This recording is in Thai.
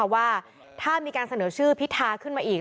ว่าถ้ามีการเสนอชื่อพิธาขึ้นมาอีก